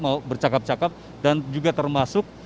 mau bercakap cakap dan juga termasuk